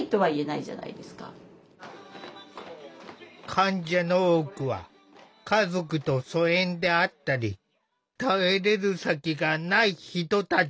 患者の多くは家族と疎遠であったり頼れる先がない人たちだ。